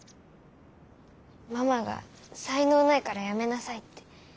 ママが「才能ないからやめなさい」って。